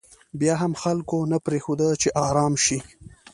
بیا هم خلکو نه پرېښوده چې ارام شي.